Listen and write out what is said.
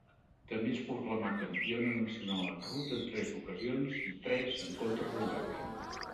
També es proclamà Campiona nacional en ruta en tres ocasions i tres en contrarellotge.